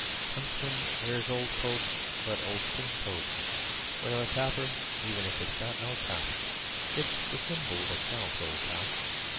Huntsman wears old coat, but old pink coat. Wear a topper, even if it's got no top. It's the symbol that counts, old cock.